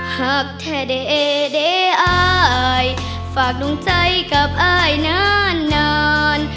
หากเธอได้ได้อายฝากดวงใจกับอายนานนาน